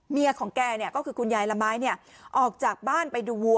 ของแกก็คือคุณยายละไม้ออกจากบ้านไปดูวัว